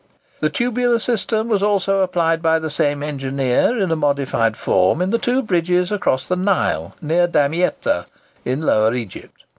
The tubular system was also applied by the same engineer, in a modified form, in the two bridges across the Nile, near Damietta in Lower Egypt.